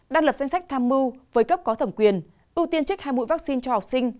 đang lập danh sách tham mưu với cấp có thẩm quyền ưu tiên trích hai mũi vaccine cho học sinh